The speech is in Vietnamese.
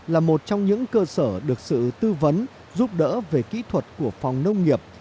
là một trong những cơ sở được sự tư vấn giúp đỡ về kỹ thuật của phòng nông nghiệp